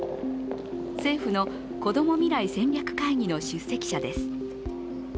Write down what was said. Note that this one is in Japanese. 政府のこども未来戦略会議の出席者です。